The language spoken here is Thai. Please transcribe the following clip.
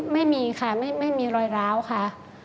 ไม่มีค่ะไม่มีรอยร้าวค่ะ